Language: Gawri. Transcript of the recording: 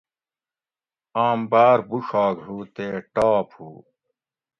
آم باۤر بوُڄھاگ ہوُ تے ٹاپ ہوُ